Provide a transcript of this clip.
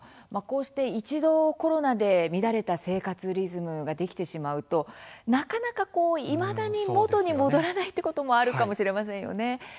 一度コロナで乱れた生活リズムができてしまうとなかなか、いまだに元に戻らないということもあるかもしれませんよね。